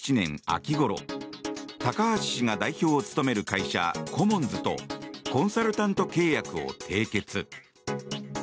秋ごろ高橋氏が代表を務める会社コモンズとコンサルタント契約を締結。